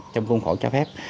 trong khuôn khổ cho phép